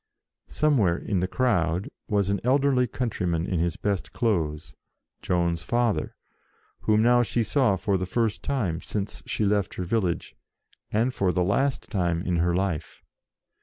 Somewhere in the crowd was an elderly countryman in his best clothes, Joan's father, whom now she saw for the first time since she left her village, and for the last time in her life.